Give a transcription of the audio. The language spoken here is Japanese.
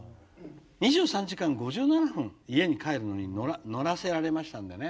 ２３時間５７分家に帰るのに乗らせられましたんでね。